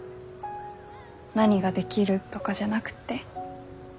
何ができるとかじゃなくて。